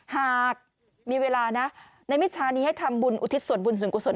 หากมีเวลานะในมิชานี้ให้ทำบุญอุทิศส่วนบุญส่วนกุศล